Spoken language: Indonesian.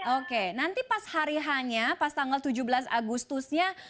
oke nanti pas hari hanya pas tanggal tujuh belas agustusnya